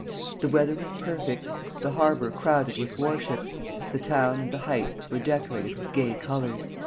The weather was perfect, the harbor crowded with war ships, the town and the heights were decorated with gay colors."